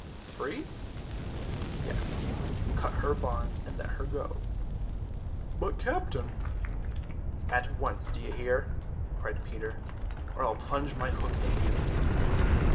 "Free!" "Yes, cut her bonds and let her go." "But, captain—" "At once, d'ye hear," cried Peter, "or I'll plunge my hook in you."